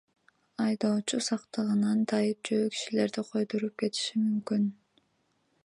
Айдоочу сактыгынан тайып жөө кишилерди койдуруп кетиши мүмкүн.